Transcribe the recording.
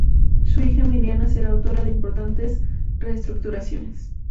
Su hija Emilia será autora de importantes reestructuraciones.